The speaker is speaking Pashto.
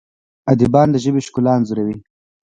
ادیبان د ژبې ښکلا انځوروي.